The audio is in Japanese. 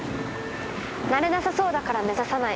なれなさそうだから目指さない。